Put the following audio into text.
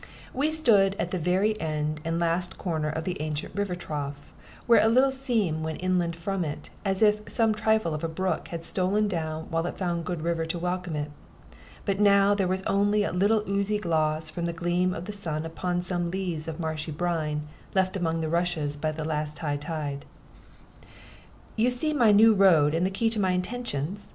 We stood at the very end and last corner of the ancient river trough, where a little seam went inland from it, as if some trifle of a brook had stolen down while it found a good river to welcome it. But now there was only a little oozy gloss from the gleam of the sun upon some lees of marshy brine left among the rushes by the last high tide. "You see my new road and the key to my intentions?"